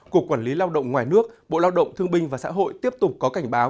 cục quản lý lao động ngoài nước bộ lao động thương binh và xã hội tiếp tục có cảnh báo